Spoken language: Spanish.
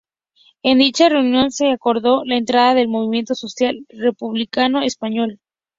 En dicha reunión se acordó la entrada del Movimiento Social Republicano español.